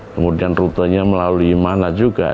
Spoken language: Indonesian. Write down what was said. kemudian rutenya melalui mana juga